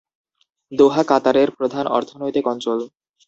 দোহা কাতারের প্রধান অর্থনৈতিক অঞ্চল।